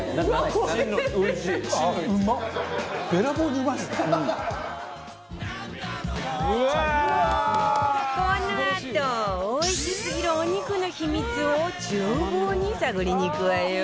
このあとおいしすぎるお肉の秘密を厨房に探りにいくわよ